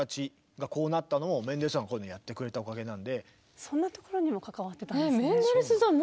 だから今そんなところにも関わってたんですね。